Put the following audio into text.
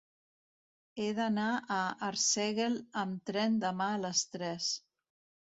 He d'anar a Arsèguel amb tren demà a les tres.